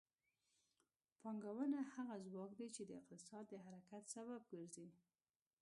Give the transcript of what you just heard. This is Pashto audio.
پانګونه هغه ځواک دی چې د اقتصاد د حرکت سبب ګرځي.